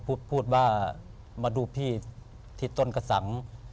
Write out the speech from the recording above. พูดว่ามาดูพี่ที่ต้นกระสัง